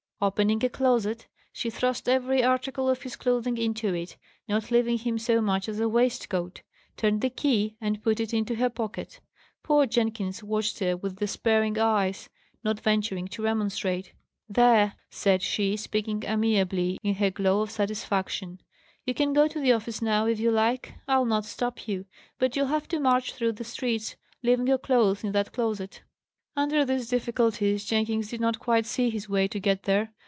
Opening a closet, she thrust every article of his clothing into it, not leaving him so much as a waistcoat, turned the key, and put it into her pocket. Poor Jenkins watched her with despairing eyes, not venturing to remonstrate. "There," said she, speaking amiably in her glow of satisfaction: "you can go to the office now if you like. I'll not stop you; but you'll have to march through the streets leaving your clothes in that closet." Under these difficulties Jenkins did not quite see his way to get there.